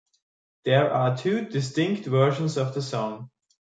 There are two distinct versions of the song.